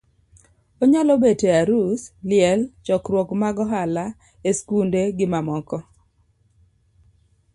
onyalo bet e arus, liel, chokruok mag ohala,e skunde gimamoko.